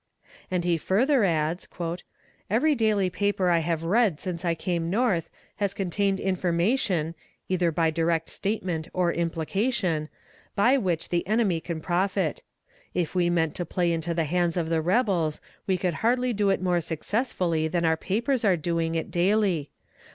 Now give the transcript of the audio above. '" And he further adds: "Every daily paper I have read since I came North has contained information, either by direct statement or implication, by which the enemy can profit. If we meant to play into the hands of the rebels, we could hardly do it more successfully than our papers are doing it daily.